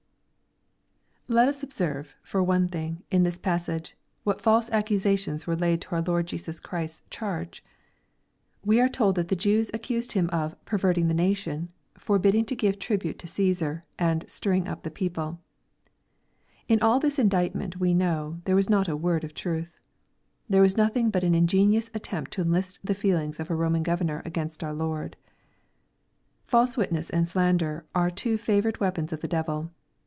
Let us observe, for one thing, in this passage, what foist accusations were laid to our Lord Jesus Christ's charge. We are told that the Jews accused Him of "perverting the nation, — ^forbidding to give tribute to Cassar, — ^and stirring up the people/' In all this indictment, we know, there was not a word of truth. It was nothing but an ingenious attempt to enlist the feeling of a Koman gov* ernor against our Lord. False witness and slander are two favorite weapons of the devil.